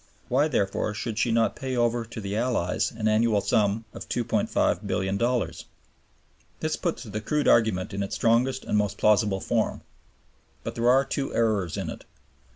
Why, therefore, should she not pay over to the Allies an annual sum of $2,500,000,000? This puts the crude argument in its strongest and most plausible form. But there are two errors in it.